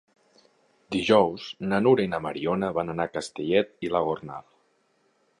Dijous na Nura i na Mariona van a Castellet i la Gornal.